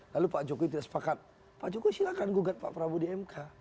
lalu pak jokowi tidak sepakat pak jokowi silahkan gugat pak prabowo di mk